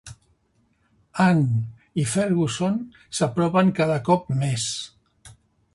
Ann i Ferguson s'apropen cada cop més.